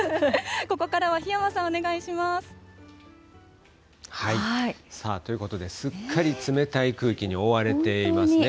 ここからは檜山さんお願いしさあ、ということで、すっかり冷たい空気に覆われていますね。